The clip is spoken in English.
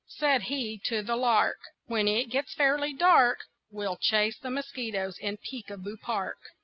Said he to the lark: "When it gets fairly dark We'll chase the mosquitoes in Peek a Boo Park."